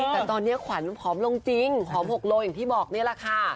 แต่ตอนนี้ขวัญผอมลงจริงผอม๖โลอย่างที่บอกนี่แหละค่ะ